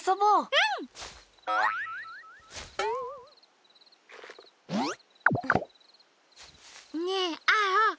うん！ねえアオ！